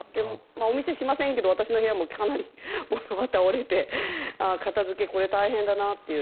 お店は知りませんけど私の家もかなり物が倒れて片付け、大変だなという。